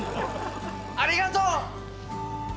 ありがとう！